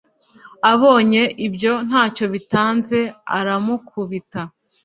Abonye ibyo nta cyo bitanze aramukubita